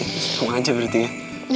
deket sama aja berarti ya